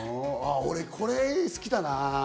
俺、これが好きだな。